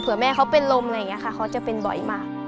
เพื่อแม่เขาเป็นลมอะไรอย่างนี้ค่ะเขาจะเป็นบ่อยมาก